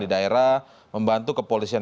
di daerah membantu kepolisian